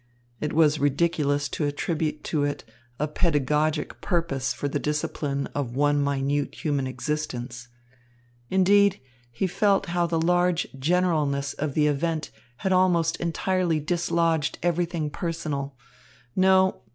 It was ridiculous to attribute to it a pedagogic purpose for the discipline of one minute human existence. Indeed, he felt how the large generalness of the event had almost entirely dislodged everything personal. No!